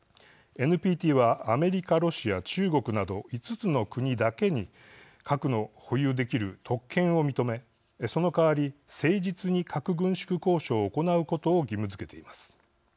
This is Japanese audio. ＮＰＴはアメリカ・ロシア・中国など５つの国だけに核の保有できる特権を認めそのかわり誠実に、核軍縮交渉を行うことを義務づけています。